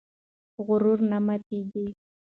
غرور نه ماتېږي.